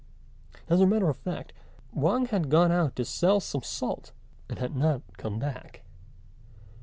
As a matter of fact, Wang had gone out to sell some salt, and had not come back.